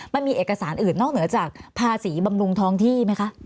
มันมีเอกสารอื่นนอกเหนือจากภาษีบำรุงท้องที่ไหมคะ